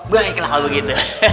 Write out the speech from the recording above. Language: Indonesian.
baiklah kalau begitu